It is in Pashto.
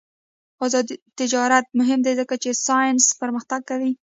آزاد تجارت مهم دی ځکه چې ساینس پرمختګ کوي.